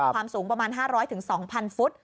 ความสูงประมาณ๕๐๐๒๐๐๐ฟุต